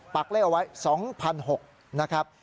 เลขเอาไว้๒๖๐๐นะครับ